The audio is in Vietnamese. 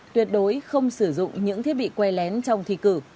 tuyệt đối không sử dụng những thiết bị quay lén trong thi cử